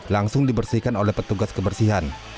langsung dibersihkan oleh petugas kebersihan